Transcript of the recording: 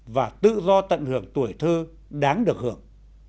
và tự do tận hưởng tuổi thơ đáng được hưởng